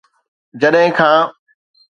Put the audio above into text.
جڏهن کان